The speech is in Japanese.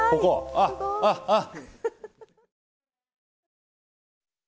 あっあっあっ！